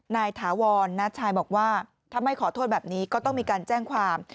ถาวรน้าชายบอกว่าถ้าไม่ขอโทษแบบนี้ก็ต้องมีการแจ้งความ